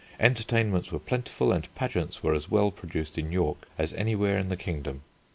Entertainments were plentiful and pageants were as well produced in York as anywhere in the kingdom.